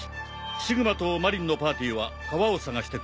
シグマとマリンのパーティーは川を捜してくれ。